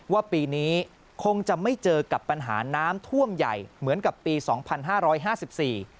ว่าปีนี้คงจะไม่เจอกับปัญหาน้ำท่วมใหญ่เหมือนกับปีสองพันห้าร้อยห้าสิบสี่